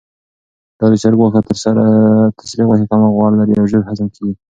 دا د چرګ غوښه تر سرې غوښې کمه غوړ لري او ژر هضم کیږي.